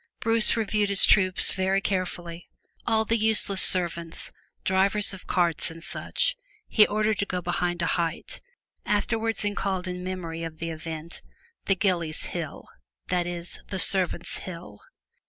Bruce reviewed his troops very carefully; all the useless servants, drivers of carts, and such he ordered to go behind a height, afterwards called in memory of the event, the Gillies' Hill, that is the servant's hill.